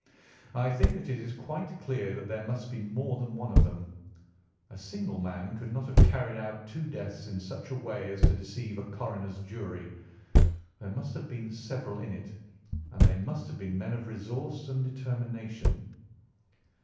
I think that it is quite clear that there must be more than one of them. A single man could not have carried out two deaths in such a way as to deceive a coroner's jury. There must have been several in it, and they must have been men of resource and determination.